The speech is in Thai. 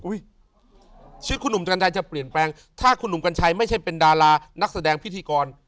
ชื่อคุณหนุ่มจันทัยจะเปลี่ยนแปลงถ้าคุณหนุ่มกัญชัยไม่ใช่เป็นดารานักแสดงพิธีกร